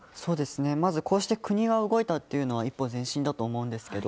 まずこうして国が動いたのは一歩前進だと思うんですけど